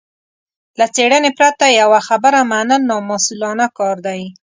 له څېړنې پرته يوه خبره منل نامسوولانه کار دی.